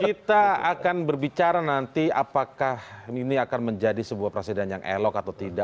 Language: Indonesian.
kita akan berbicara nanti apakah ini akan menjadi sebuah presiden yang elok atau tidak